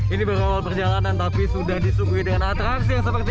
ini baru awal perjalanan tapi sudah disungguh dengan atras yang seperti